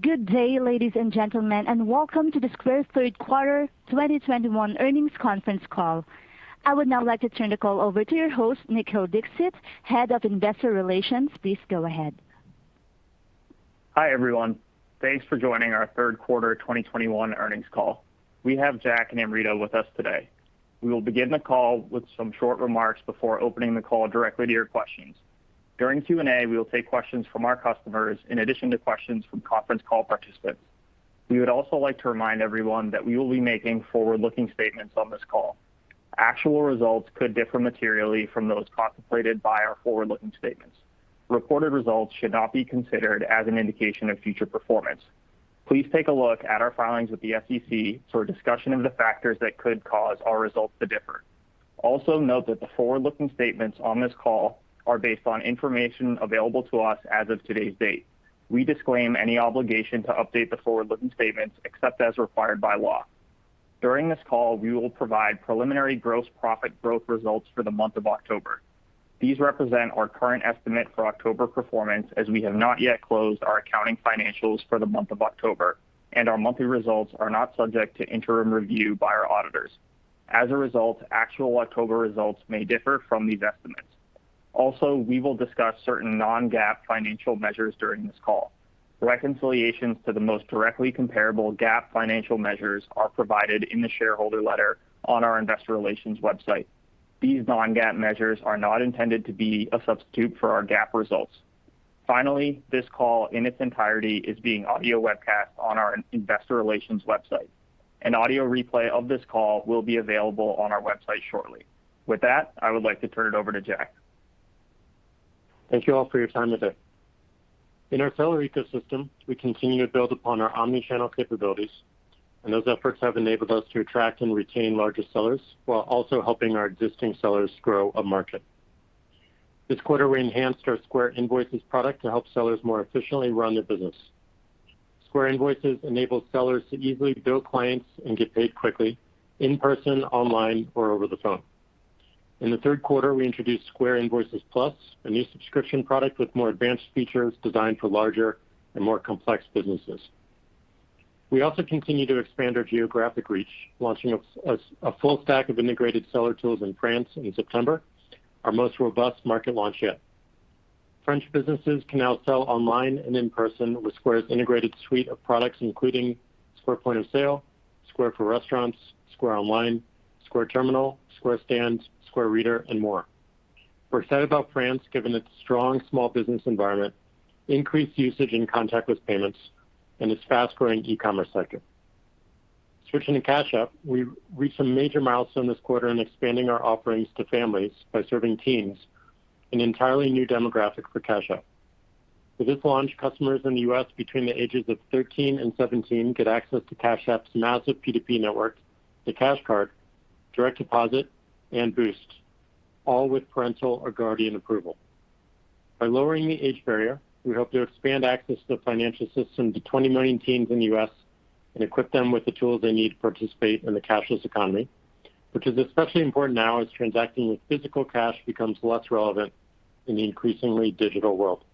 Good day, ladies and gentlemen, and welcome to the Square third quarter 2021 earnings conference call. I would now like to turn the call over to your host, Nikhil Dixit, Head of Investor Relations. Please go ahead. Hi, everyone. Thanks for joining our Q3 2021 earnings call. We have Jack and Amrita with us today. We will begin the call with some short remarks before opening the call directly to your questions. During Q&A, we will take questions from our customers in addition to questions from conference call participants. We would also like to remind everyone that we will be making forward-looking statements on this call. Actual results could differ materially from those contemplated by our forward-looking statements. Reported results should not be considered as an indication of future performance. Please take a look at our filings with the SEC for a discussion of the factors that could cause our results to differ. Also note that the forward-looking statements on this call are based on information available to us as of today's date. We disclaim any obligation to update the forward-looking statements except as required by law. During this call, we will provide preliminary gross profit growth results for the month of October. These represent our current estimate for October performance, as we have not yet closed our accounting financials for the month of October, and our monthly results are not subject to interim review by our auditors. As a result, actual October results may differ from these estimates. Also, we will discuss certain non-GAAP financial measures during this call. Reconciliations to the most directly comparable GAAP financial measures are provided in the shareholder letter on our investor relations website. These non-GAAP measures are not intended to be a substitute for our GAAP results. Finally, this call in its entirety is being audio webcast on our investor relations website. An audio replay of this call will be available on our website shortly. With that, I would like to turn it over to Jack. Thank you all for your time today. In our seller ecosystem, we continue to build upon our omni-channel capabilities, and those efforts have enabled us to attract and retain larger sellers while also helping our existing sellers grow a market. This quarter, we enhanced our Square Invoices product to help sellers more efficiently run their business. Square Invoices enables sellers to easily bill clients and get paid quickly in person, online, or over the phone. In the third quarter, we introduced Square Invoices Plus, a new subscription product with more advanced features designed for larger and more complex businesses. We also continue to expand our geographic reach, launching a full stack of integrated seller tools in France in September, our most robust market launch yet. French businesses can now sell online and in person with Square's integrated suite of products, including Square Point of Sale, Square for Restaurants, Square Online, Square Terminal, Square Stand, Square Reader, and more. We're excited about France, given its strong small business environment, increased usage in contactless payments, and its fast-growing e-commerce sector. Switching to Cash App, we reached a major milestone this quarter in expanding our offerings to families by serving teens, an entirely new demographic for Cash App. With this launch, customers in the U.S. between the ages of 13 and 17 get access to Cash App's massive P2P network, the Cash Card, direct deposit, and Boost, all with parental or guardian approval. By lowering the age barrier, we hope to expand access to the financial system to 20 million teens in the U.S. and equip them with the tools they need to participate in the cashless economy, which is especially important now as transacting with physical cash becomes less relevant in the increasingly digital world.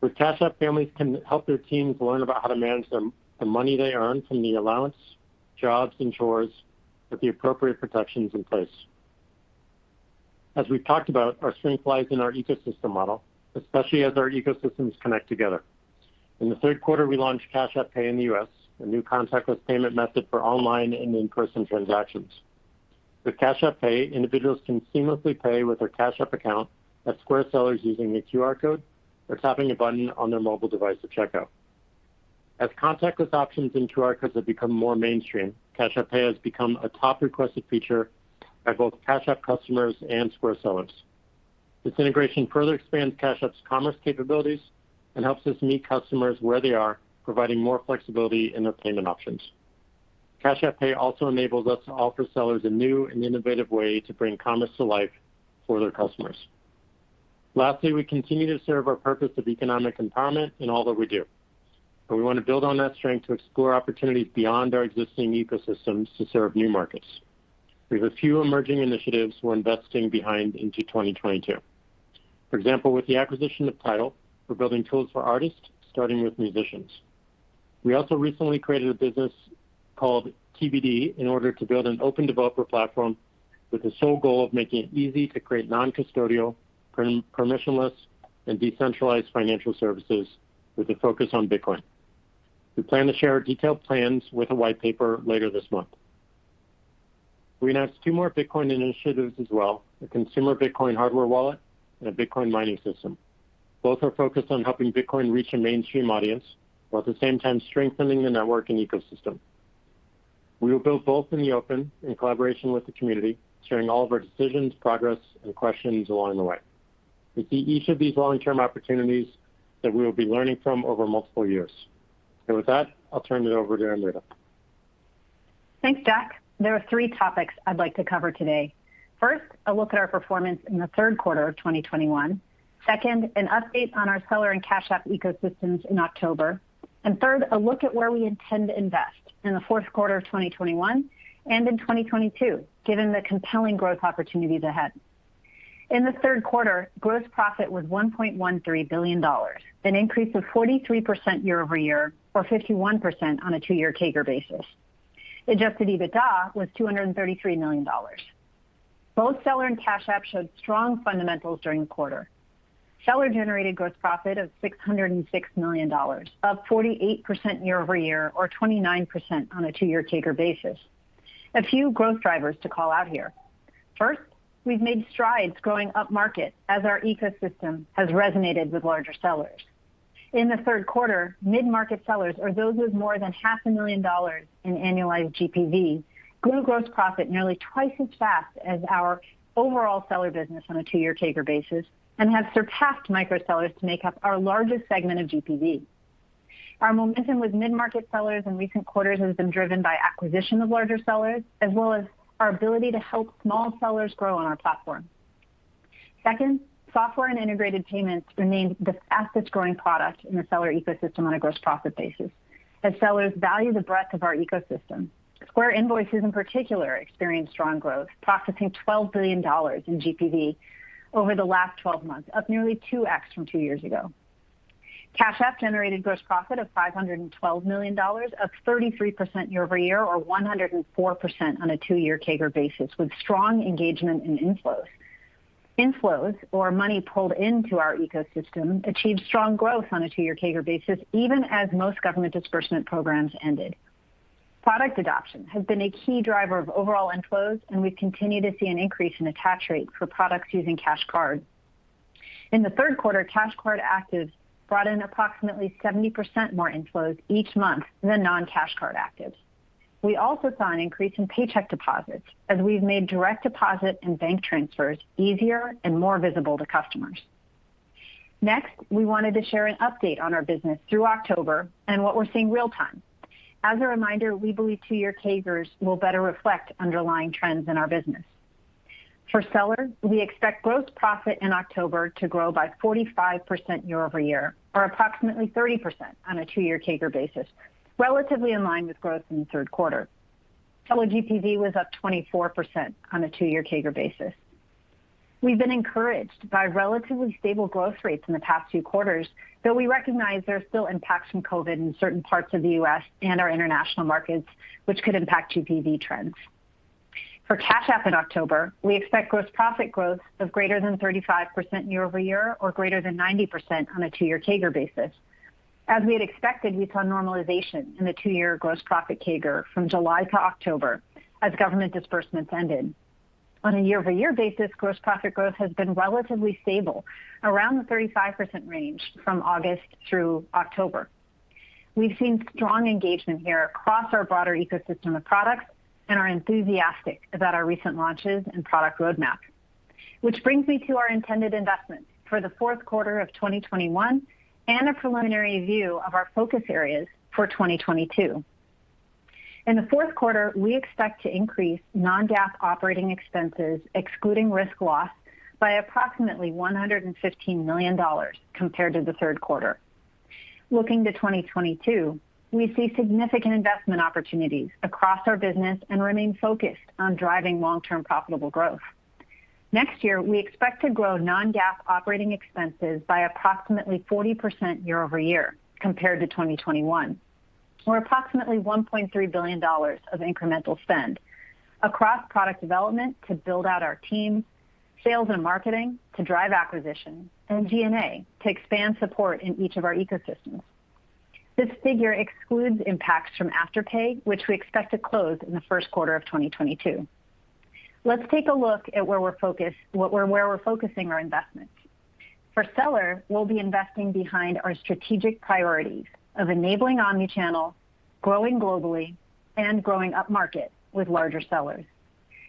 With Cash App, families can help their teens learn about how to manage the money they earn from the allowance, jobs, and chores with the appropriate protections in place. As we've talked about, our strength lies in our ecosystem model, especially as our ecosystems connect together. In the third quarter, we launched Cash App Pay in the U.S., a new contactless payment method for online and in-person transactions. With Cash App Pay, individuals can seamlessly pay with their Cash App account at Square sellers using a QR code or tapping a button on their mobile device at checkout. As contactless options and QR codes have become more mainstream, Cash App Pay has become a top requested feature by both Cash App customers and Square sellers. This integration further expands Cash App's commerce capabilities and helps us meet customers where they are, providing more flexibility in their payment options. Cash App Pay also enables us to offer sellers a new and innovative way to bring commerce to life for their customers. Lastly, we continue to serve our purpose of economic empowerment in all that we do, and we want to build on that strength to explore opportunities beyond our existing ecosystems to serve new markets. We have a few emerging initiatives we're investing behind into 2022. For example, with the acquisition of TIDAL, we're building tools for artists, starting with musicians. We also recently created a business called TBD in order to build an open developer platform with the sole goal of making it easy to create non-custodial, peer-to-peer, permissionless, and decentralized financial services with a focus on Bitcoin. We plan to share our detailed plans with a white paper later this month. We announced two more Bitcoin initiatives as well, a consumer Bitcoin hardware wallet and a Bitcoin mining system. Both are focused on helping Bitcoin reach a mainstream audience, while at the same time strengthening the network and ecosystem. We will build both in the open in collaboration with the community, sharing all of our decisions, progress, and questions along the way. We see each of these long-term opportunities that we will be learning from over multiple years. With that, I'll turn it over to Amrita. Thanks, Jack. There are three topics I'd like to cover today. First, a look at our performance in the third quarter of 2021. Second, an update on our Seller and Cash App ecosystems in October. Third, a look at where we intend to invest in the fourth quarter of 2021 and in 2022, given the compelling growth opportunities ahead. In the third quarter, gross profit was $1.13 billion, an increase of 43% year-over-year or 51% on a two-year CAGR basis. Adjusted EBITDA was $233 million. Both Seller and Cash App showed strong fundamentals during the quarter. Seller generated gross profit of $606 million, up 48% year-over-year or 29% on a two-year CAGR basis. A few growth drivers to call out here. First, we've made strides growing up-market as our ecosystem has resonated with larger sellers. In the third quarter, mid-market sellers or those with more than half a million dollars in annualized GPV grew gross profit nearly twice as fast as our overall seller business on a two-year CAGR basis and have surpassed micro sellers to make up our largest segment of GPV. Our momentum with mid-market sellers in recent quarters has been driven by acquisition of larger sellers, as well as our ability to help small sellers grow on our platform. Second, software and integrated payments remain the fastest growing product in the seller ecosystem on a gross profit basis as sellers value the breadth of our ecosystem. Square Invoices in particular experienced strong growth, processing $12 billion in GPV over the last 12 months, up nearly 2x from two years ago. Cash App generated gross profit of $512 million, up 33% year-over-year or 104% on a two-year CAGR basis with strong engagement in inflows. Inflows or money pulled into our ecosystem achieved strong growth on a two-year CAGR basis, even as most government disbursement programs ended. Product adoption has been a key driver of overall inflows, and we've continued to see an increase in attach rate for products using Cash Card. In the third quarter, Cash Card actives brought in approximately 70% more inflows each month than non-Cash Card actives. We also saw an increase in paycheck deposits as we've made direct deposit and bank transfers easier and more visible to customers. Next, we wanted to share an update on our business through October and what we're seeing real-time. As a reminder, we believe two-year CAGRs will better reflect underlying trends in our business. For Seller, we expect gross profit in October to grow by 45% year-over-year or approximately 30% on a two-year CAGR basis, relatively in line with growth in the third quarter. Seller GPV was up 24% on a two-year CAGR basis. We've been encouraged by relatively stable growth rates in the past two quarters, though we recognize there are still impacts from COVID in certain parts of the U.S. and our international markets, which could impact GPV trends. For Cash App in October, we expect gross profit growth of greater than 35% year-over-year or greater than 90% on a two-year CAGR basis. As we had expected, we saw normalization in the two-year gross profit CAGR from July to October as government disbursements ended. On a year-over-year basis, gross profit growth has been relatively stable around the 35% range from August through October. We've seen strong engagement here across our broader ecosystem of products and are enthusiastic about our recent launches and product roadmap. Which brings me to our intended investments for the fourth quarter of 2021 and a preliminary view of our focus areas for 2022. In the fourth quarter, we expect to increase non-GAAP operating expenses, excluding risk loss, by approximately $115 million compared to the third quarter. Looking to 2022, we see significant investment opportunities across our business and remain focused on driving long-term profitable growth. Next year, we expect to grow non-GAAP operating expenses by approximately 40% year-over-year compared to 2021 or approximately $1.3 billion of incremental spend across product development to build out our team, sales and marketing to drive acquisition, and G&A to expand support in each of our ecosystems. This figure excludes impacts from Afterpay, which we expect to close in the first quarter of 2022. Let's take a look at where we're focusing our investments. For Seller, we'll be investing behind our strategic priorities of enabling omni-channel, growing globally, and growing up-market with larger sellers.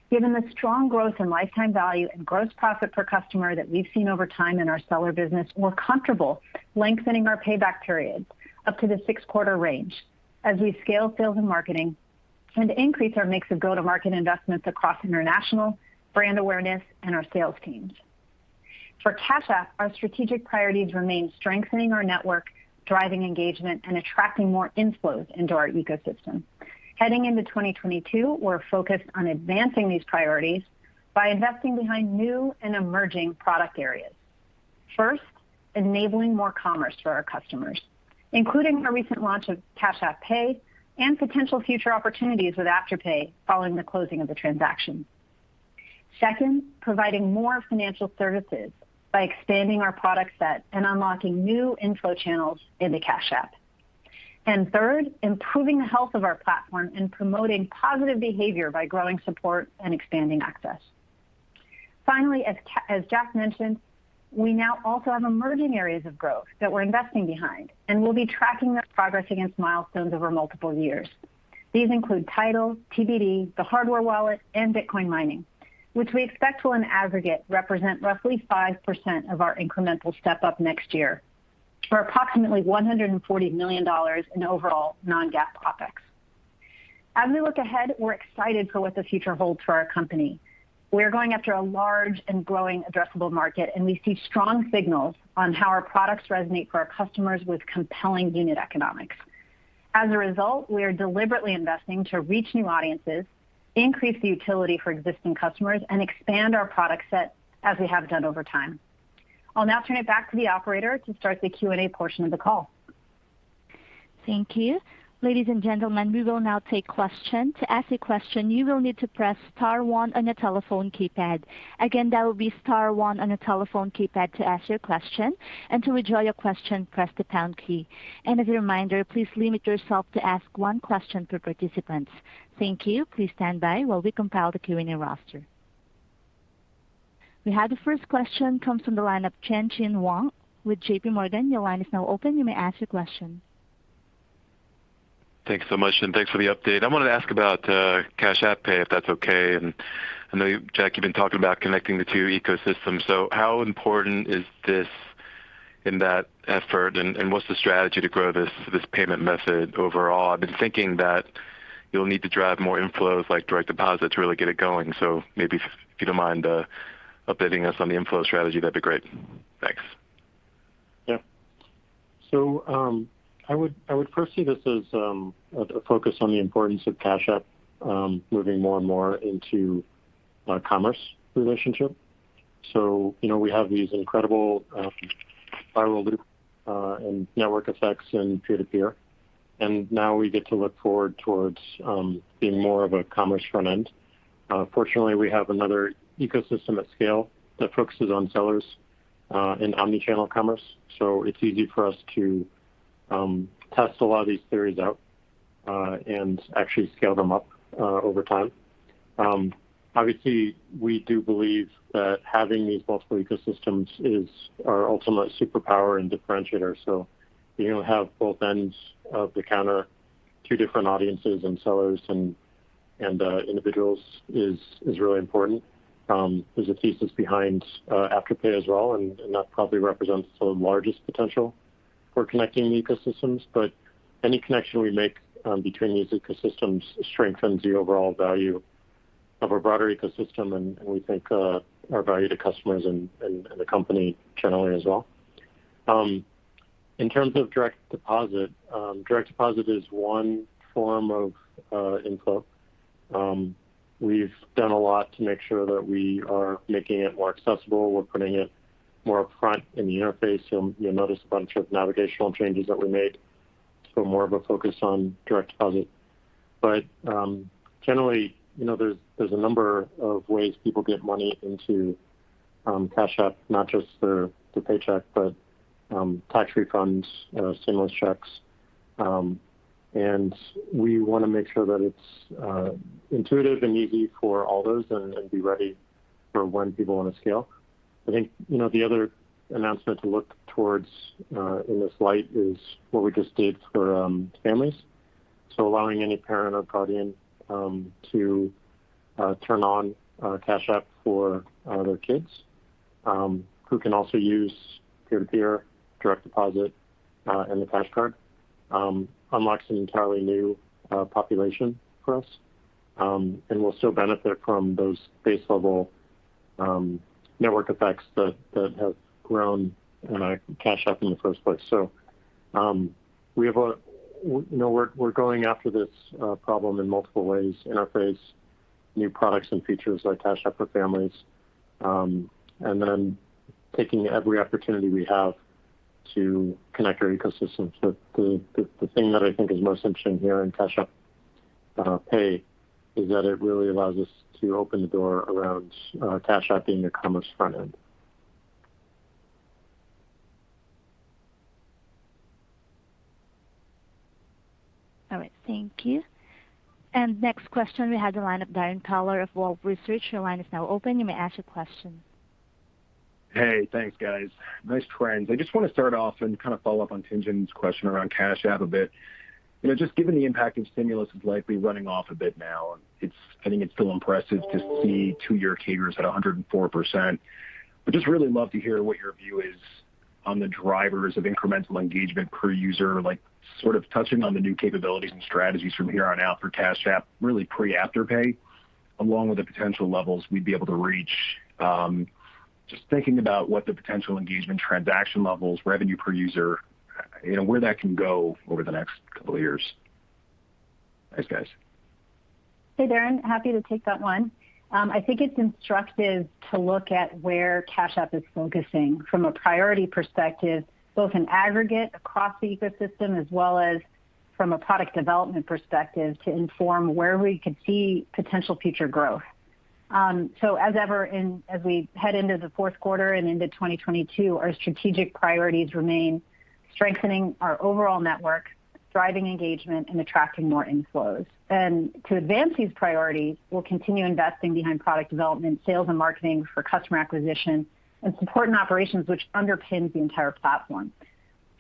Given the strong growth in lifetime value and gross profit per customer that we've seen over time in our seller business, we're comfortable lengthening our payback periods up to the six-quarter range as we scale sales and marketing and increase our mix of go-to-market investments across international, brand awareness, and our sales teams. For Cash App, our strategic priorities remain strengthening our network, driving engagement, and attracting more inflows into our ecosystem. Heading into 2022, we're focused on advancing these priorities by investing behind new and emerging product areas. First, enabling more commerce for our customers, including our recent launch of Cash App Pay and potential future opportunities with Afterpay following the closing of the transaction. Second, providing more financial services by expanding our product set and unlocking new inflow channels into Cash App. Third, improving the health of our platform and promoting positive behavior by growing support and expanding access. Finally, as Jack mentioned, we now also have emerging areas of growth that we're investing behind, and we'll be tracking their progress against milestones over multiple years. These include TIDAL, TBD, the hardware wallet, and Bitcoin mining, which we expect will in aggregate represent roughly 5% of our incremental step-up next year for approximately $140 million in overall non-GAAP CapEx. As we look ahead, we're excited for what the future holds for our company. We are going after a large and growing addressable market, and we see strong signals on how our products resonate for our customers with compelling unit economics. As a result, we are deliberately investing to reach new audiences, increase the utility for existing customers, and expand our product set as we have done over time. I'll now turn it back to the operator to start the Q&A portion of the call. Thank you. Ladies and gentlemen, we will now take questions. To ask a question, you will need to press star one on your telephone keypad. Again, that will be star one on your telephone keypad to ask your question. To withdraw your question, press the pound key. As a reminder, please limit yourself to ask one question per participant. Thank you. Please stand by while we compile the Q&A roster. We have the first question comes from the line of Tien-Tsin Huang with JPMorgan. Your line is now open. You may ask your question. Thanks so much, and thanks for the update. I wanted to ask about Cash App Pay, if that's okay. I know, Jack, you've been talking about connecting the two ecosystems, so how important is this in that effort? What's the strategy to grow this payment method overall? I've been thinking that you'll need to drive more inflows like direct deposit to really get it going. Maybe if you don't mind, updating us on the inflow strategy, that'd be great. Thanks. Yeah, I would first see this as a focus on the importance of Cash App moving more and more into a commerce relationship. You know, we have these incredible viral loop and network effects in peer-to-peer, and now we get to look forward towards being more of a commerce front-end. Fortunately, we have another ecosystem at scale that focuses on sellers and omni-channel commerce, so it's easy for us to test a lot of these theories out and actually scale them up over time. Obviously, we do believe that having these multiple ecosystems is our ultimate superpower and differentiator. Being able to have both ends of the counter, two different audiences and sellers and individuals is really important. There's a thesis behind Afterpay as well, and that probably represents the largest potential for connecting ecosystems. Any connection we make between these ecosystems strengthens the overall value of our broader ecosystem and we think our value to customers and the company generally as well. In terms of direct deposit, direct deposit is one form of input. We've done a lot to make sure that we are making it more accessible. We're putting it more upfront in the interface. You'll notice a bunch of navigational changes that we made for more of a focus on direct deposit. Generally, you know, there's a number of ways people get money into Cash App, not just the paycheck, but tax refunds, you know, stimulus checks. We wanna make sure that it's intuitive and easy for all those and be ready for when people wanna scale. I think you know the other announcement to look towards in this light is what we just did for families. Allowing any parent or guardian to turn on Cash App for their kids who can also use peer-to-peer, direct deposit and the Cash Card unlocks an entirely new population for us and we'll still benefit from those base level network effects that have grown in Cash App in the first place. You know we're going after this problem in multiple ways, interface, new products and features like Cash App for families and then taking every opportunity we have to connect our ecosystems. The thing that I think is most interesting here in Cash App Pay is that it really allows us to open the door around Cash App being a commerce front-end. All right. Thank you. Next question we have the line of Darrin Peller of Wolfe Research. Your line is now open. You may ask your question. Hey. Thanks, guys. Nice trends. I just wanna start off and kind of follow up on Tien-Tsin's question around Cash App a bit. You know, just given the impact of stimulus is likely running off a bit now, and it's I think it's still impressive to see two-year cadence at 104%. Just really love to hear what your view is on the drivers of incremental engagement per user, like, sort of touching on the new capabilities and strategies from here on out for Cash App, really pre Afterpay, along with the potential levels we'd be able to reach. Just thinking about what the potential engagement transaction levels, revenue per user, you know, where that can go over the next couple of years. Thanks, guys. Hey, Darrin. Happy to take that one. I think it's instructive to look at where Cash App is focusing from a priority perspective, both in aggregate across the ecosystem as well as from a product development perspective to inform where we could see potential future growth. So as ever, as we head into the fourth quarter and into 2022, our strategic priorities remain strengthening our overall network, driving engagement and attracting more inflows. To advance these priorities, we'll continue investing behind product development, sales and marketing for customer acquisition, and support and operations which underpins the entire platform.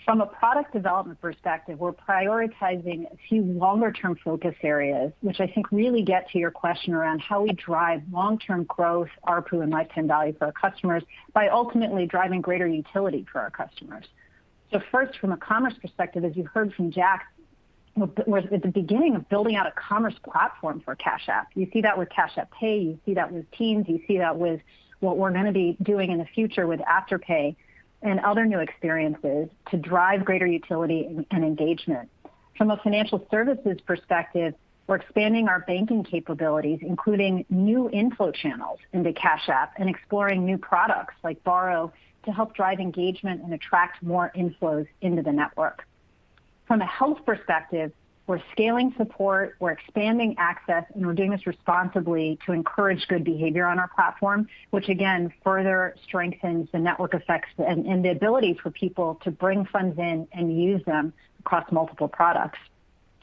From a product development perspective, we're prioritizing a few longer-term focus areas, which I think really get to your question around how we drive long-term growth, ARPU, and lifetime value for our customers by ultimately driving greater utility for our customers. First, from a commerce perspective, as you heard from Jack, we're we're at the beginning of building out a commerce platform for Cash App. You see that with Cash App Pay, you see that with Teens, you see that with what we're gonna be doing in the future with Afterpay and other new experiences to drive greater utility and engagement. From a financial services perspective, we're expanding our banking capabilities, including new inflow channels into Cash App and exploring new products like Borrow to help drive engagement and attract more inflows into the network. From a health perspective, we're scaling support, we're expanding access, and we're doing this responsibly to encourage good behavior on our platform, which again, further strengthens the network effects and the ability for people to bring funds in and use them across multiple products.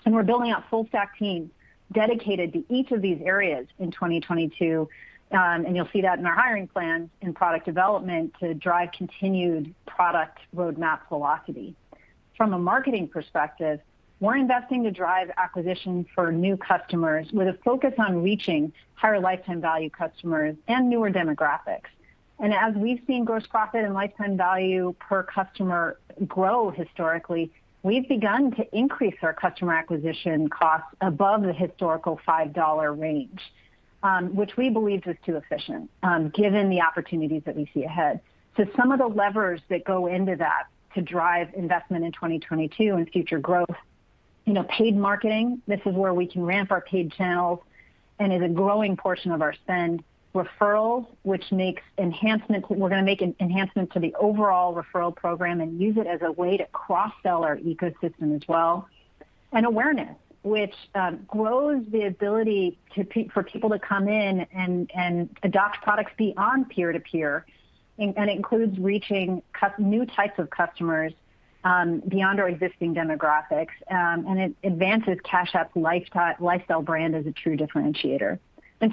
We're building out full stack teams dedicated to each of these areas in 2022, and you'll see that in our hiring plans in product development to drive continued product roadmap velocity. From a marketing perspective, we're investing to drive acquisition for new customers with a focus on reaching higher lifetime value customers and newer demographics. As we've seen gross profit and lifetime value per customer grow historically, we've begun to increase our customer acquisition costs above the historical $5 range, which we believe is too efficient, given the opportunities that we see ahead. Some of the levers that go into that to drive investment in 2022 and future growth, you know, paid marketing, this is where we can ramp our paid channels and is a growing portion of our spend. Referrals. We're gonna make an enhancement to the overall referral program and use it as a way to cross-sell our ecosystem as well. Awareness, which grows the ability for people to come in and adopt products beyond peer-to-peer, and includes reaching new types of customers beyond our existing demographics, and it advances Cash App's lifestyle brand as a true differentiator.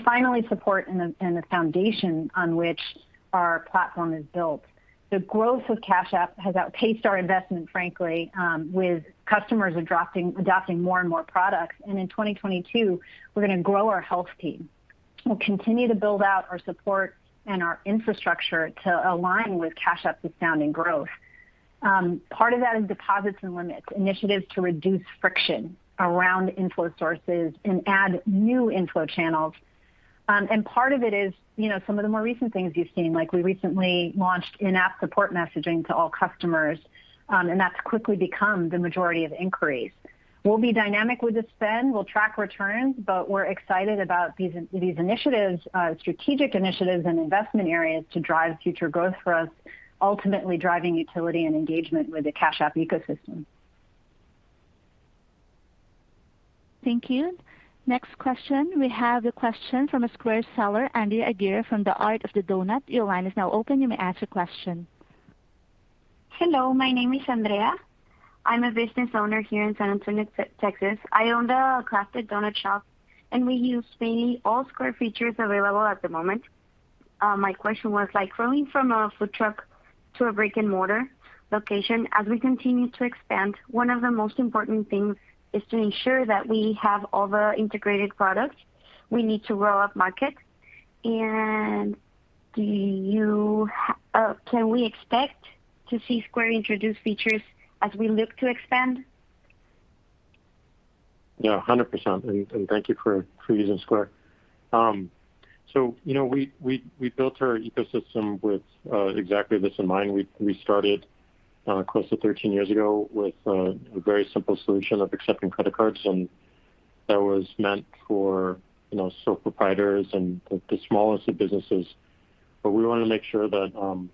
Finally, support and the foundation on which our platform is built. The growth of Cash App has outpaced our investment, frankly, with customers adopting more and more products. In 2022, we're gonna grow our health team. We'll continue to build out our support and our infrastructure to align with Cash App's astounding growth. Part of that is deposits and limits, initiatives to reduce friction around inflow sources and add new inflow channels. Part of it is, you know, some of the more recent things you've seen, like we recently launched in-app support messaging to all customers, and that's quickly become the majority of inquiries. We'll be dynamic with the spend, we'll track returns, but we're excited about these strategic initiatives and investment areas to drive future growth for us, ultimately driving utility and engagement with the Cash App ecosystem. Thank you. Next question. We have a question from a Square seller, Andrea Aguirre from The Art of the Donut. Your line is now open, you may ask your question. Hello, my name is Andrea. I'm a business owner here in San Antonio, Texas. I own The Art of Donut, and we use mainly all Square features available at the moment. My question was like growing from a food truck to a brick-and-mortar location, as we continue to expand, one of the most important things is to ensure that we have all the integrated products we need to grow our market. Can we expect to see Square introduce features as we look to expand? Yeah, 100%, and thank you for using Square. So, you know, we built our ecosystem with exactly this in mind. We started close to 13 years ago with a very simple solution of accepting credit cards, and that was meant for, you know, sole proprietors and the smallest of businesses. We wanna make sure that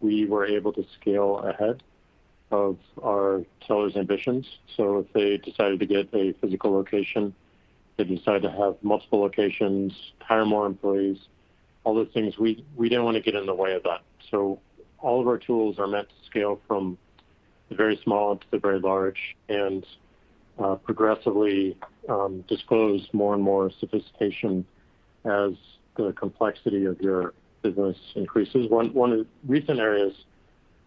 we were able to scale ahead of our sellers' ambitions. If they decided to get a physical location, they decided to have multiple locations, hire more employees, all those things, we didn't wanna get in the way of that. All of our tools are meant to scale from the very small to the very large, and progressively disclose more and more sophistication as the complexity of your business increases. One of the recent areas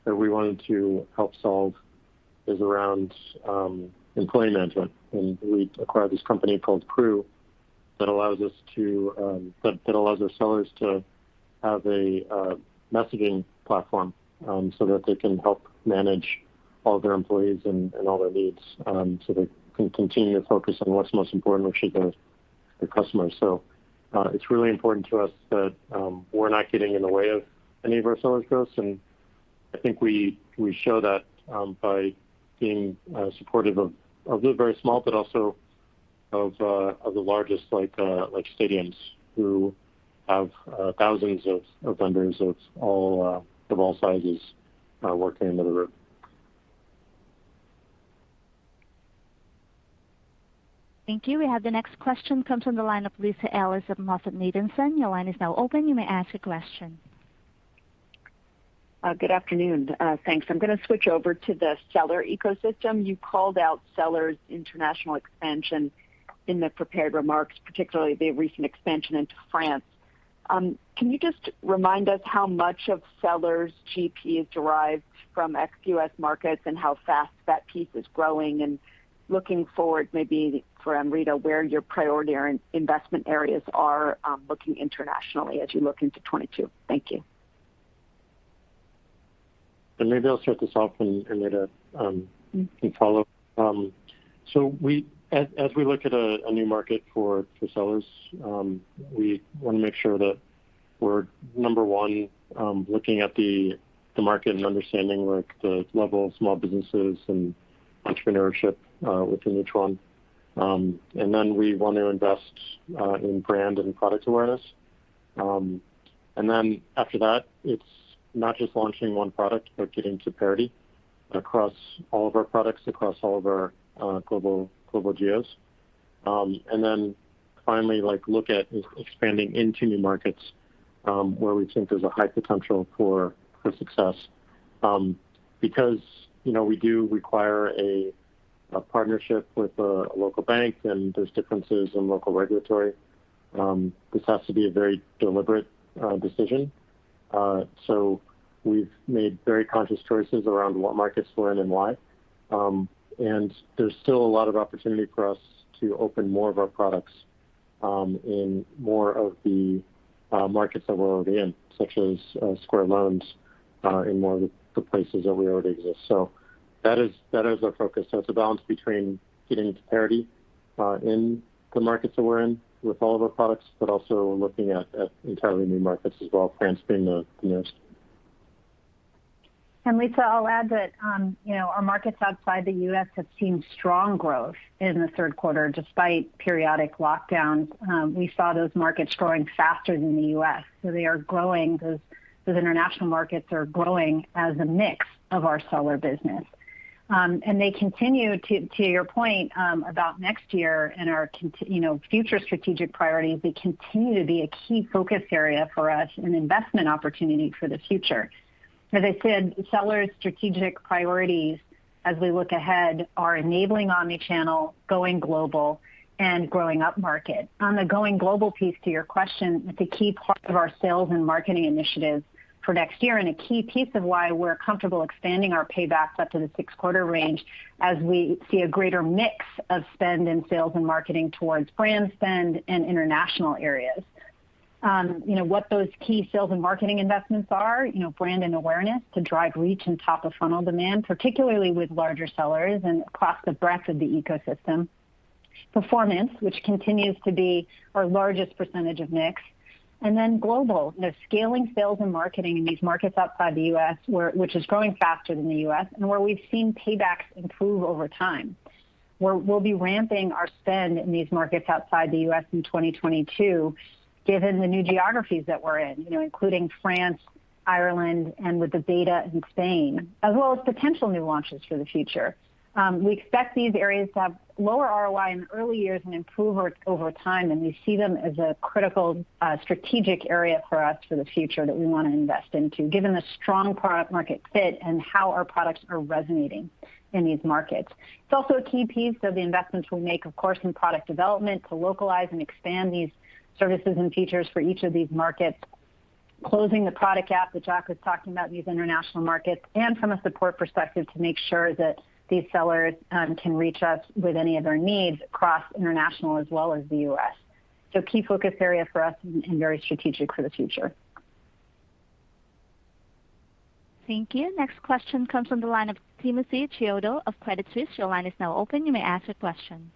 that we wanted to help solve is around employee management, and we acquired this company called Crew that allows our sellers to have a messaging platform, so that they can help manage all their employees and all their needs, so they can continue to focus on what's most important, which is the customers. It's really important to us that we're not getting in the way of any of our sellers' goals, and I think we show that by being supportive of the very small, but also of the largest like stadiums who have thousands of vendors of all sizes working under one roof. Thank you. We have the next question comes from the line of Lisa Ellis of MoffettNathanson. Your line is now open. You may ask a question. Good afternoon. Thanks. I'm gonna switch over to the Seller ecosystem. You called out Sellers international expansion in the prepared remarks, particularly the recent expansion into France. Can you just remind us how much of Sellers' GP is derived from ex-US markets and how fast that piece is growing? Looking forward maybe for Amrita, where your priority or investment areas are, looking internationally as you look into 2022. Thank you. Maybe I'll start this off. Amrita can follow. As we look at a new market for sellers, we want to make sure that we're number one looking at the market and understanding like the level of small businesses and entrepreneurship within each one. Then we want to invest in brand and product awareness. After that, it's not just launching one product but getting to parity across all of our products, across all of our global geos. Finally, like, look at expanding into new markets where we think there's a high potential for success. Because, you know, we do require a partnership with a local bank, and there's differences in local regulatory. This has to be a very deliberate decision. We've made very conscious choices around what markets we're in and why. There's still a lot of opportunity for us to open more of our products in more of the markets that we're already in, such as Square Loans in more of the places that we already exist. That is our focus. It's a balance between getting to parity in the markets that we're in with all of our products, but also looking at entirely new markets as well, France being the most. Lisa, I'll add that, you know, our markets outside the U.S. have seen strong growth in the third quarter despite periodic lockdowns. We saw those markets growing faster than the U.S. They are growing, those international markets are growing as a mix of our seller business. They continue to your point, about next year and our you know, future strategic priorities, they continue to be a key focus area for us and investment opportunity for the future. As I said, sellers strategic priorities as we look ahead are enabling omni-channel, going global, and growing up market. On the going global piece to your question, it's a key part of our sales and marketing initiatives for next year, and a key piece of why we're comfortable expanding our paybacks up to the six-quarter range as we see a greater mix of spend in sales and marketing towards brand spend and international areas. You know, what those key sales and marketing investments are, you know, brand and awareness to drive reach and top of funnel demand, particularly with larger sellers and across the breadth of the ecosystem. Performance, which continues to be our largest percentage of mix. Global, you know, scaling sales and marketing in these markets outside the U.S. where, which is growing faster than the U.S., and where we've seen paybacks improve over time. We'll be ramping our spend in these markets outside the U.S. in 2022, given the new geographies that we're in, you know, including France, Ireland, and with the beta in Spain, as well as potential new launches for the future. We expect these areas to have lower ROI in the early years and improve over time, and we see them as a critical strategic area for us for the future that we wanna invest into, given the strong product market fit and how our products are resonating in these markets. It's also a key piece of the investments we make, of course, in product development to localize and expand these services and features for each of these markets. Closing the product gap that Jack was talking about in these international markets, and from a support perspective, to make sure that these sellers can reach us with any of their needs across international as well as the U.S. Key focus area for us and very strategic for the future. Thank you. Next question comes from the line of Timothy Chiodo of Credit Suisse. Your line is now open. You may ask your question.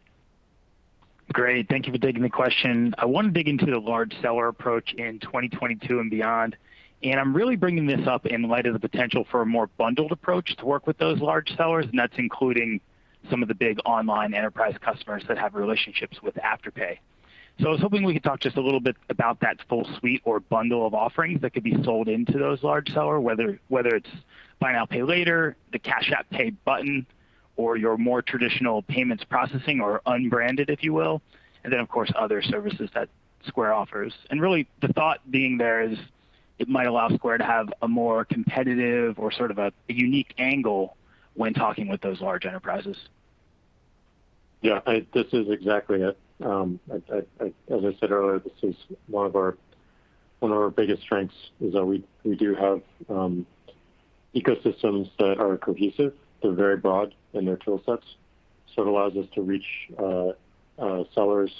Great. Thank you for taking the question. I wanna dig into the large seller approach in 2022 and beyond. I'm really bringing this up in light of the potential for a more bundled approach to work with those large sellers, and that's including some of the big online enterprise customers that have relationships with Afterpay. I was hoping we could talk just a little bit about that full suite or bundle of offerings that could be sold into those large sellers, whether it's Buy Now, Pay Later, the Cash App Pay button, or your more traditional payments processing or unbranded, if you will, and then, of course, other services that Square offers. Really the thought being there is it might allow Square to have a more competitive or sort of a unique angle when talking with those large enterprises. Yeah. This is exactly it. As I said earlier, this is one of our biggest strengths is that we do have ecosystems that are cohesive. They're very broad in their tool sets, so it allows us to reach sellers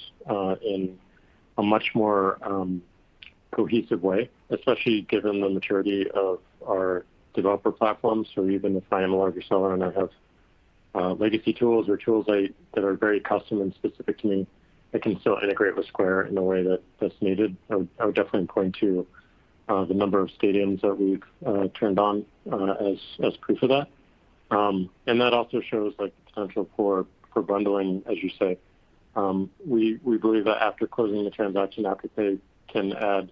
in a much more cohesive way, especially given the maturity of our developer platform. Even if I am a larger seller and I have legacy tools or tools that are very custom and specific to me, I can still integrate with Square in a way that's needed. I would definitely point to the number of stadiums that we've turned on as proof of that. That also shows like the potential for bundling, as you say. We believe that after closing the transaction, Afterpay can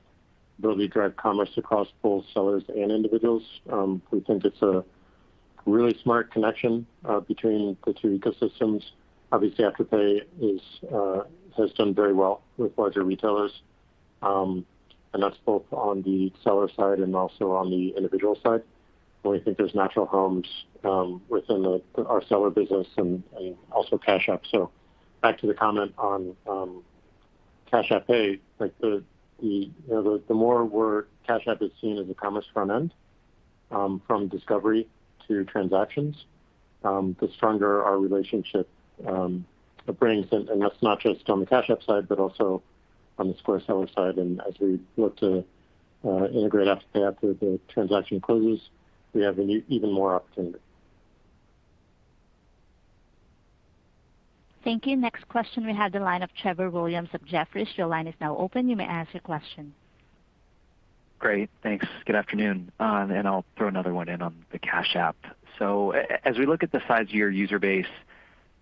really drive commerce across both sellers and individuals. We think it's a really smart connection between the two ecosystems. Obviously, Afterpay has done very well with larger retailers, and that's both on the seller side and also on the individual side, where we think there's natural homes within our seller business and also Cash App. Back to the comment on Cash App Pay, like the more Cash App is seen as a commerce front end from discovery to transactions, the stronger our relationship brings, and that's not just on the Cash App side, but also on the Square seller side. As we look to integrate Afterpay after the transaction closes, we have an even more opportunity. Thank you. Next question we have the line of Trevor Williams of Jefferies. Your line is now open. You may ask your question. Great, thanks. Good afternoon. I'll throw another one in on the Cash App. As we look at the size of your user base,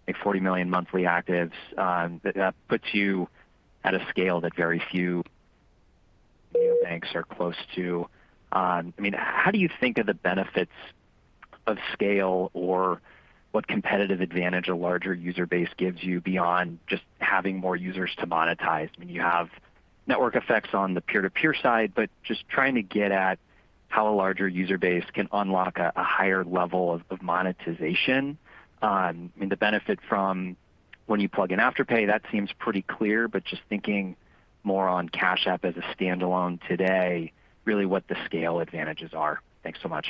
like 40 million monthly actives, that puts you at a scale that very few banks are close to. I mean, how do you think of the benefits of scale or what competitive advantage a larger user base gives you beyond just having more users to monetize? I mean, you have network effects on the peer-to-peer side, but just trying to get at how a larger user base can unlock a higher level of monetization. I mean, the benefit from when you plug in Afterpay, that seems pretty clear, but just thinking more on Cash App as a standalone today, really what the scale advantages are. Thanks so much.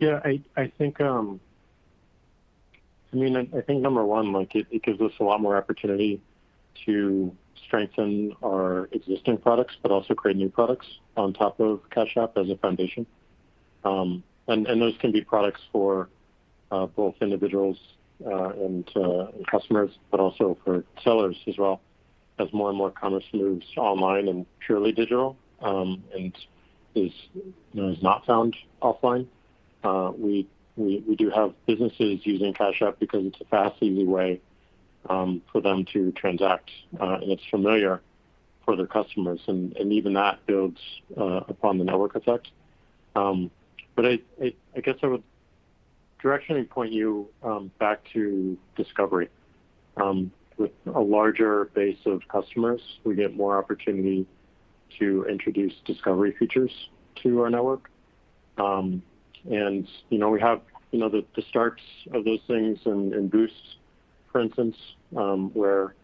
I mean, I think number one, like, it gives us a lot more opportunity to strengthen our existing products, but also create new products on top of Cash App as a foundation. Those can be products for both individuals and customers, but also for sellers as well as more and more commerce moves online and purely digital, and, you know, not found offline. We do have businesses using Cash App because it's a fast, easy way for them to transact, and it's familiar for their customers and even that builds upon the network effect. I guess I would directionally point you back to Discovery. With a larger base of customers, we get more opportunity to introduce Discovery features to our network. You know, we have the starts of those things in Boost, for instance, where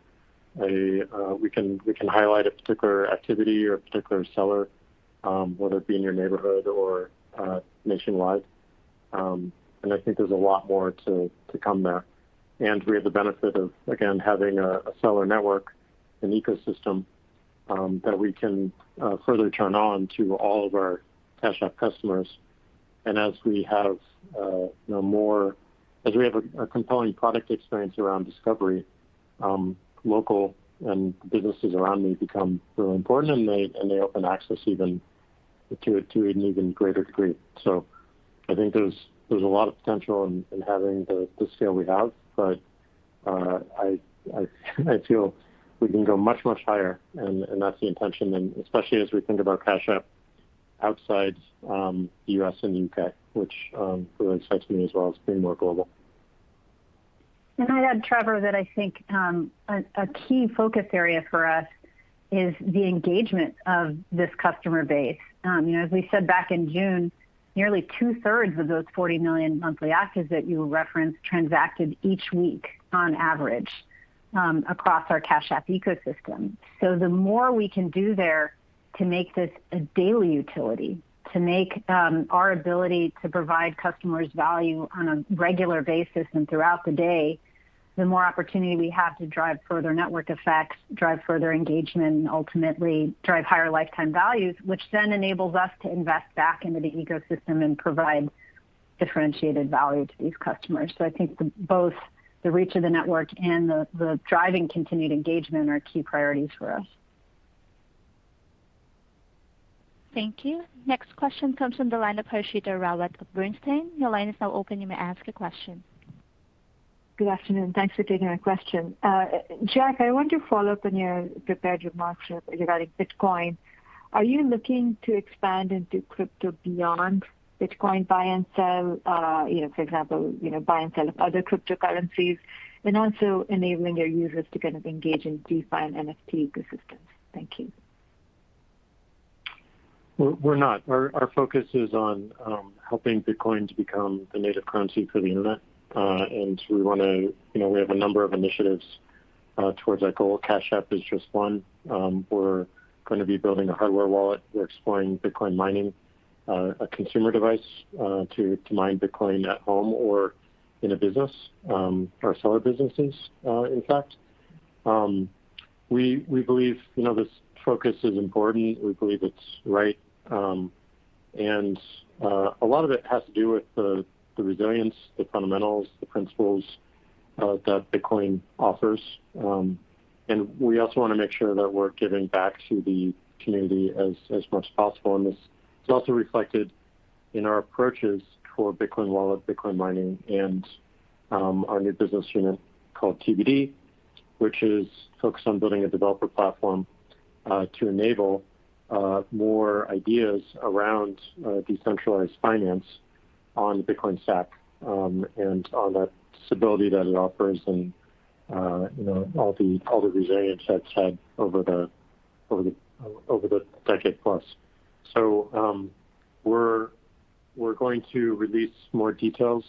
we can highlight a particular activity or a particular seller, whether it be in your neighborhood or nationwide. I think there's a lot more to come there. We have the benefit of, again, having a seller network and ecosystem that we can further turn on to all of our Cash App customers. As we have a compelling product experience around Discovery, local businesses around me become really important, and they open access even to an even greater degree. I think there's a lot of potential in having the scale we have. I feel we can go much higher and that's the intention and especially as we think about Cash App outside U.S. and U.K., which really excites me as well as being more global. I'd add, Trevor, that I think a key focus area for us is the engagement of this customer base. You know, as we said back in June, nearly 2/3 of those 40 million monthly actives that you referenced transacted each week on average across our Cash App ecosystem. The more we can do there to make this a daily utility, to make our ability to provide customers value on a regular basis and throughout the day, the more opportunity we have to drive further network effects, drive further engagement, and ultimately drive higher lifetime values, which then enables us to invest back into the ecosystem and provide differentiated value to these customers. I think both the reach of the network and the driving continued engagement are key priorities for us. Thank you. Next question comes from the line of Harshita Rawat of Bernstein. Your line is now open. You may ask a question. Good afternoon. Thanks for taking my question. Jack, I want to follow up on your prepared remarks regarding Bitcoin. Are you looking to expand into crypto beyond Bitcoin buy and sell, you know, for example, you know, buy and sell of other cryptocurrencies, and also enabling your users to kind of engage in DeFi and NFT ecosystems? Thank you. We're not. Our focus is on helping Bitcoin to become the native currency for the internet. We wanna, you know, we have a number of initiatives towards that goal. Cash App is just one. We're gonna be building a hardware wallet. We're exploring Bitcoin mining, a consumer device to mine Bitcoin at home or in a business, or seller businesses, in fact. We believe, you know, this focus is important. We believe it's right. A lot of it has to do with the resilience, the fundamentals, the principles that Bitcoin offers. We also want to make sure that we're giving back to the community as much as possible, and this is also reflected in our approaches toward Bitcoin wallet, Bitcoin mining, and our new business unit called TBD, which is focused on building a developer platform to enable more ideas around Decentralized Finance on Bitcoin Stack, and on the stability that it offers and you know, all the resilience that's had over the decade plus. We're going to release more details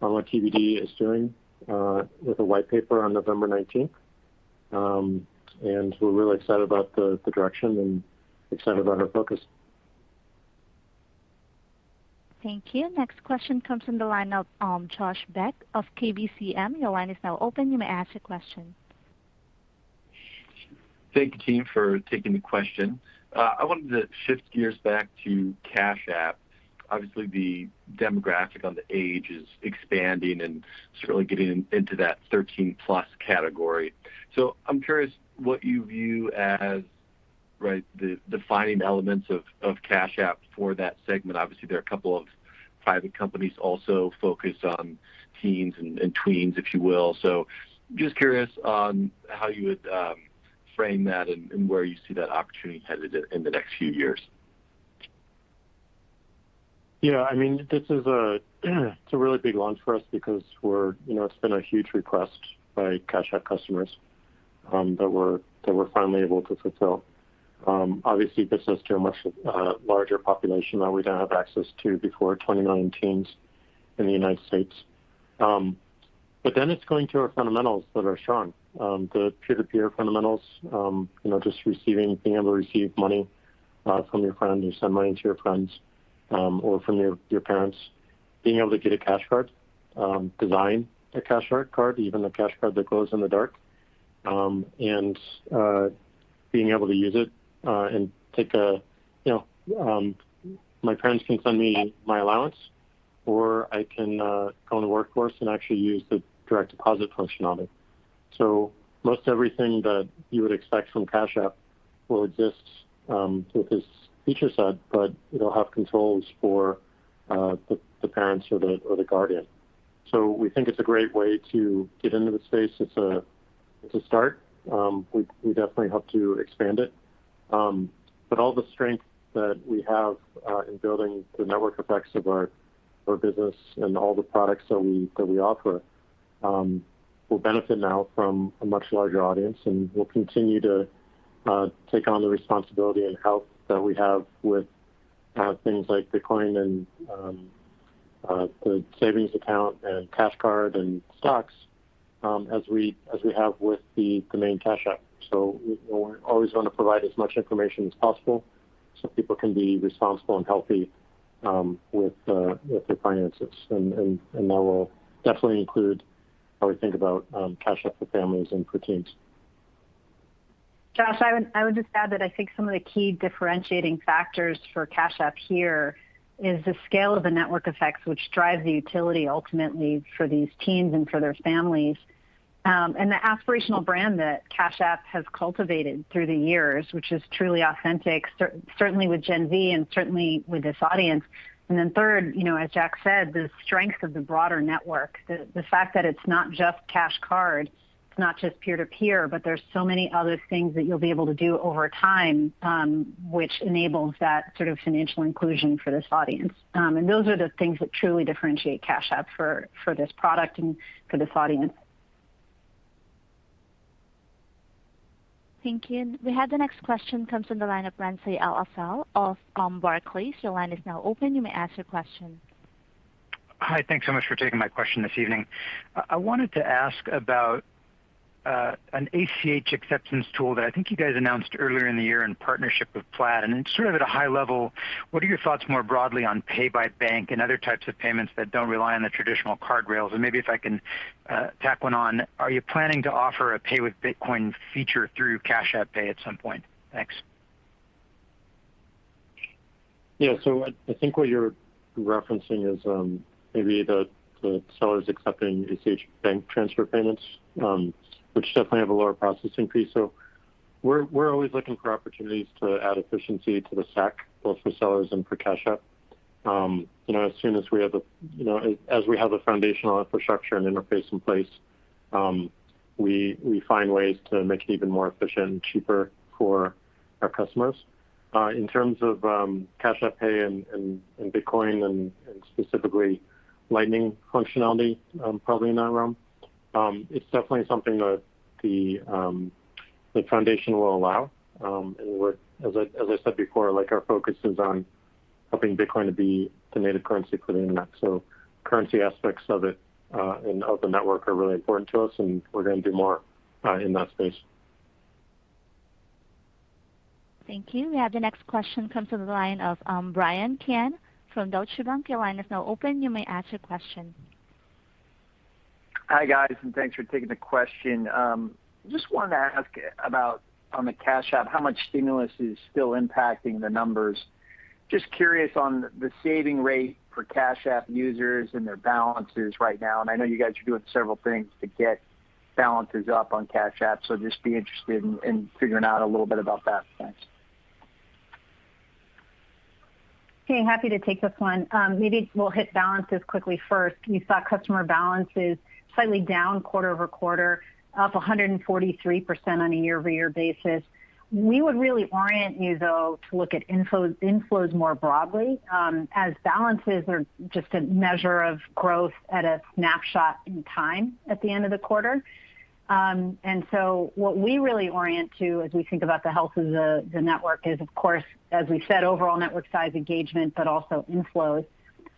on what TBD is doing with a white paper on November 19th. We're really excited about the direction and excited about our focus. Thank you. Next question comes from the line of, Josh Beck of KBCM. Your line is now open. You may ask your question. Thank you, team, for taking the question. I wanted to shift gears back to Cash App. Obviously, the demographic on the age is expanding and certainly getting into that 13+ category. I'm curious what you view as, right, the defining elements of Cash App for that segment. Obviously, there are a couple of private companies also focused on teens and tweens, if you will. Just curious on how you would frame that and where you see that opportunity headed in the next few years. Yeah, I mean, this is a really big launch for us because we're, you know, it's been a huge request by Cash App customers that we're finally able to fulfill. Obviously, this is to a much larger population that we don't have access to before 20 million teens in the United States. It's going to our fundamentals that are strong, the peer-to-peer fundamentals, you know, just receiving, being able to receive money from your friends or send money to your friends, or from your parents. Being able to get a Cash Card, design a Cash Card card, even a Cash Card that glows in the dark, and being able to use it, and take a, you know, my parents can send me my allowance, or I can go in the workforce and actually use the direct deposit function on it. Most everything that you would expect from Cash App will exist with this feature set, but it'll have controls for the parents or the guardian. We think it's a great way to get into the space. It's a start. We definitely hope to expand it. All the strength that we have in building the network effects of our business and all the products that we offer will benefit now from a much larger audience, and we'll continue to take on the responsibility and help that we have with things like Bitcoin and the savings account and Cash Card and stocks, as we have with the main Cash App. We're always gonna provide as much information as possible so people can be responsible and healthy with their finances. That will definitely include how we think about Cash App for families and for teens. Josh, I would just add that I think some of the key differentiating factors for Cash App here is the scale of the network effects which drives the utility ultimately for these teens and for their families. And the aspirational brand that Cash App has cultivated through the years, which is truly authentic certainly with Gen Z and certainly with this audience. Third, you know, as Jack said, the strength of the broader network, the fact that it's not just Cash Card, it's not just peer-to-peer, but there's so many other things that you'll be able to do over time, which enables that sort of financial inclusion for this audience. Those are the things that truly differentiate Cash App for this product and for this audience. Thank you. We have the next question comes from the line of Ramsey El-Assal of, Barclays. Your line is now open. You may ask your question. Hi. Thanks so much for taking my question this evening. I wanted to ask about an ACH acceptance tool that I think you guys announced earlier in the year in partnership with Plaid, and it's sort of at a high level. What are your thoughts more broadly on pay by bank and other types of payments that don't rely on the traditional card rails? Maybe if I can tack one on, are you planning to offer a pay with Bitcoin feature through Cash App Pay at some point? Thanks. Yeah. I think what you're referencing is maybe the sellers accepting ACH bank transfer payments, which definitely have a lower processing fee. We're always looking for opportunities to add efficiency to the stack, both for sellers and for Cash App. You know, as soon as we have a foundational infrastructure and interface in place, we find ways to make it even more efficient and cheaper for our customers. In terms of Cash App Pay and Bitcoin and specifically Lightning functionality, probably in that realm, it's definitely something that the foundation will allow. We're, as I said before, like, our focus is on helping Bitcoin to be the native currency for the internet. Currency aspects of it, and of the network are really important to us, and we're gonna do more in that space. Thank you. We have the next question comes from the line of, Bryan Keane from Deutsche Bank. Your line is now open. You may ask your question. Hi, guys, and thanks for taking the question. Just wanted to ask about, on the Cash App, how much stimulus is still impacting the numbers. Just curious on the saving rate for Cash App users and their balances right now. I know you guys are doing several things to get balances up on Cash App, so just be interested in figuring out a little bit about that. Thanks. Okay. Happy to take this one. Maybe we'll hit balances quickly first. We saw customer balances slightly down quarter-over-quarter, up 143% on a year-over-year basis. We would really orient you, though, to look at inflows more broadly, as balances are just a measure of growth at a snapshot in time at the end of the quarter. What we really orient to as we think about the health of the network is, of course, as we said, overall network size engagement, but also inflows.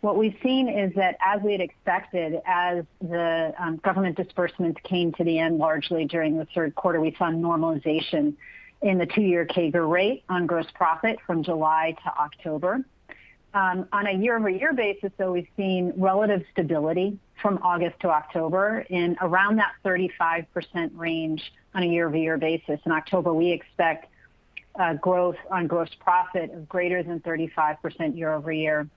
What we've seen is that as we had expected, as the government disbursements came to the end largely during the third quarter, we saw normalization in the two-year CAGR rate on gross profit from July to October. On a year-over-year basis, though, we've seen relative stability from August to October in around that 35% range on a year-over-year basis. In October, we expect growth on gross profit of greater than 35% year-over-year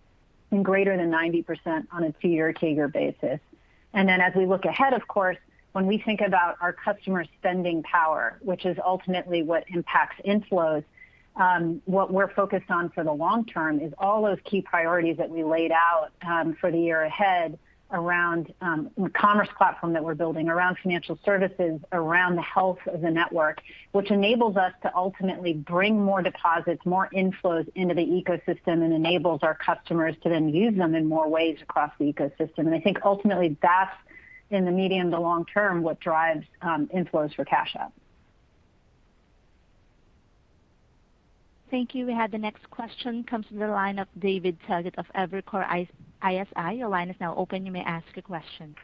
and greater than 90% on a two-year CAGR basis. As we look ahead, of course, when we think about our customer spending power, which is ultimately what impacts inflows, what we're focused on for the long-term is all those key priorities that we laid out for the year ahead around the commerce platform that we're building around financial services, around the health of the network, which enables us to ultimately bring more deposits, more inflows into the ecosystem, and enables our customers to then use them in more ways across the ecosystem. I think ultimately that's in the medium to long-term what drives inflows for Cash App. Thank you. We have the next question comes from the line of David Togut of Evercore ISI. Your line is now open. You may ask a question.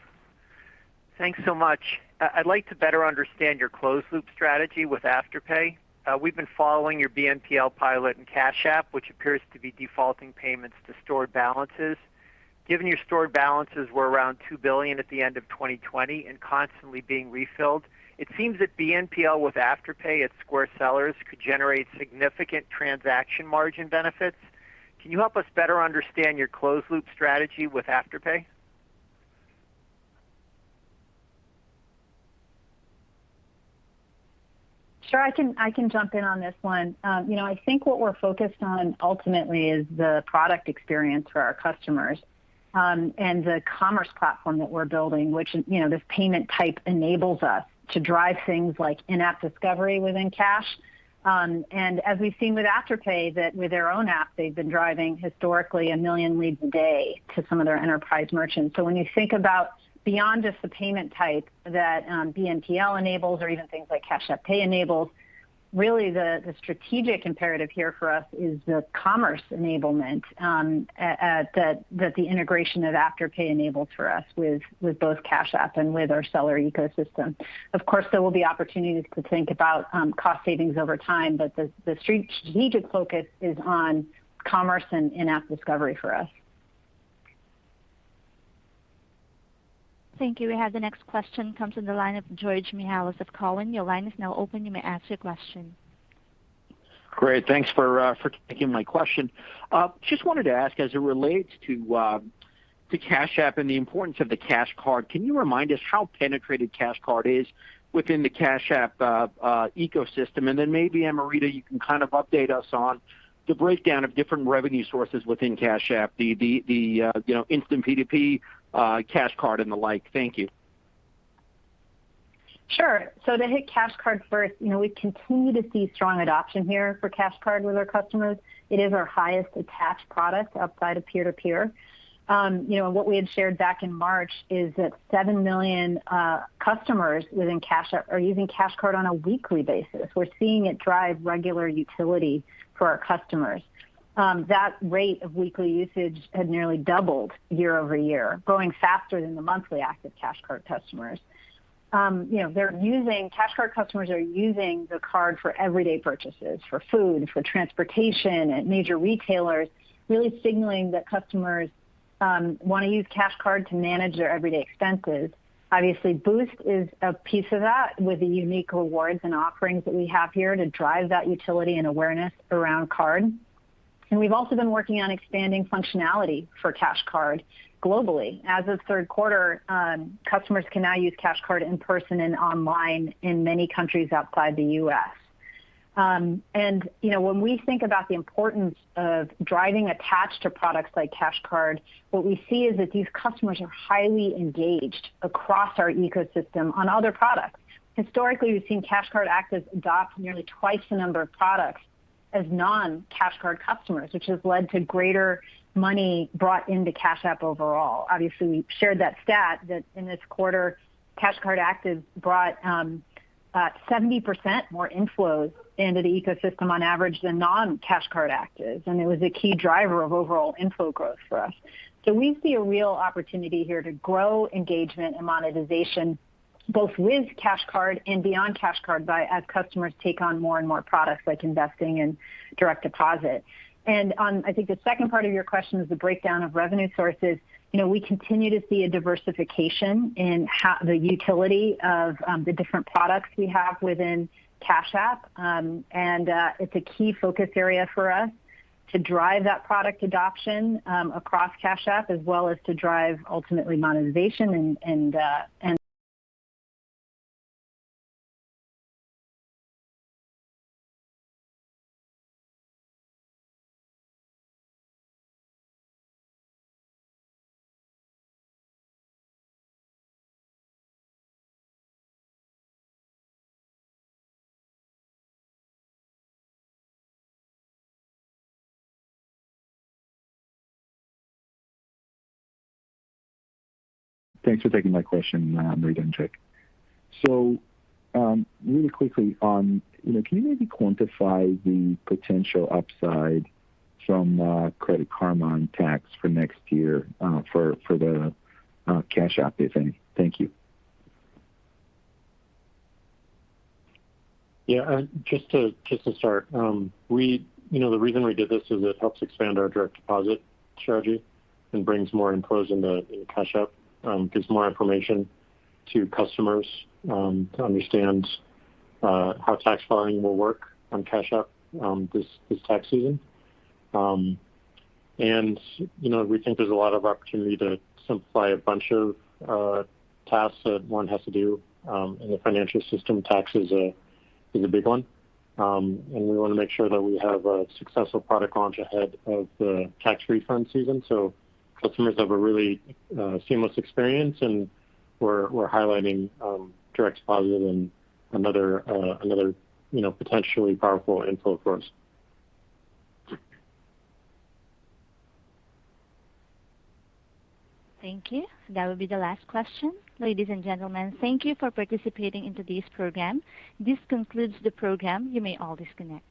Thanks so much. I'd like to better understand your closed loop strategy with Afterpay. We've been following your BNPL pilot and Cash App, which appears to be defaulting payments to stored balances. Given your stored balances were around $2 billion at the end of 2020 and constantly being refilled, it seems that BNPL with Afterpay at Square sellers could generate significant transaction margin benefits. Can you help us better understand your closed loop strategy with Afterpay? Sure, I can jump in on this one. You know, I think what we're focused on ultimately is the product experience for our customers, and the commerce platform that we're building, which, you know, this payment type enables us to drive things like in-app discovery within Cash. As we've seen with Afterpay, that with their own app, they've been driving historically a million leads a day to some of their enterprise merchants. When you think about beyond just the payment type that BNPL enables or even things like Cash App Pay enables, really the strategic imperative here for us is the commerce enablement, that the integration of Afterpay enables for us with both Cash App and with our seller ecosystem. Of course, there will be opportunities to think about, cost savings over time, but the strategic focus is on commerce and in-app discovery for us. Thank you. We have the next question comes from the line of George Mihalos of Cowen. Your line is now open. You may ask your question. Great. Thanks for taking my question. Just wanted to ask as it relates to Cash App and the importance of the Cash Card, can you remind us how penetrated Cash Card is within the Cash App ecosystem? Then maybe Amrita, you can kind of update us on the breakdown of different revenue sources within Cash App, you know, instant P2P, Cash Card and the like. Thank you. Sure. To hit Cash Card first, you know, we continue to see strong adoption here for Cash Card with our customers. It is our highest attached product outside of peer-to-peer. You know, and what we had shared back in March is that 7 million customers within Cash App are using Cash Card on a weekly basis. We're seeing it drive regular utility for our customers. That rate of weekly usage had nearly doubled year-over-year, growing faster than the monthly active Cash Card customers. You know, Cash Card customers are using the card for everyday purchases, for food, for transportation at major retailers, really signaling that customers wanna use Cash Card to manage their everyday expenses. Obviously, Boost is a piece of that with the unique rewards and offerings that we have here to drive that utility and awareness around card. We've also been working on expanding functionality for Cash Card globally. As of third quarter, customers can now use Cash Card in person and online in many countries outside the U.S. You know, when we think about the importance of driving attached to products like Cash Card, what we see is that these customers are highly engaged across our ecosystem on other products. Historically, we've seen Cash Card actives adopt nearly twice the number of products as non-Cash Card customers, which has led to greater money brought into Cash App overall. Obviously, we shared that stat in this quarter Cash Card actives brought 70% more inflows into the ecosystem on average than non-Cash Card actives, and it was a key driver of overall inflow growth for us. We see a real opportunity here to grow engagement and monetization both with Cash Card and beyond Cash Card by as customers take on more and more products like investing and direct deposit. On, I think the second part of your question is the breakdown of revenue sources. You know, we continue to see a diversification in how the utility of the different products we have within Cash App. It's a key focus area for us to drive that product adoption across Cash App as well as to drive ultimately monetization and. Thanks for taking my question, Amrita and Jack. Really quickly on, you know, can you maybe quantify the potential upside from [Credit Karma Tax] for next year for the Cash App, if any? Thank you. Yeah. Just to start, you know, the reason we did this is it helps expand our direct deposit strategy and brings more inflows into Cash App, gives more information to customers to understand how tax filing will work on Cash App, this tax season. We think there's a lot of opportunity to simplify a bunch of tasks that one has to do in the financial system. Tax is a big one. We wanna make sure that we have a successful product launch ahead of the tax refund season so customers have a really seamless experience and we're highlighting direct deposit and another, you know, potentially powerful inflow for us. Thank you. That would be the last question. Ladies and gentlemen, thank you for participating in today's program. This concludes the program. You may all disconnect.